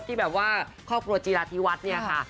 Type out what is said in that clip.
ที่แบบว่าครอบครัวจีราธิวัฒน์เนี่ยค่ะ